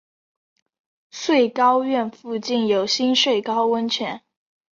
穗高岳附近有新穗高温泉。